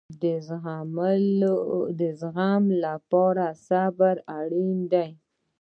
د زغم لپاره صبر اړین دی